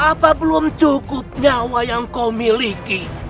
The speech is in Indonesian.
apa belum cukup nyawa yang kau miliki